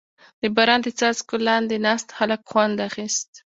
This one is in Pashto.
• د باران د څاڅکو لاندې ناست هلک خوند اخیست.